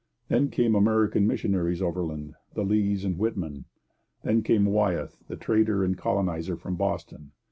Then came American missionaries overland the Lees and Whitman. Then came Wyeth, the trader and colonizer from Boston.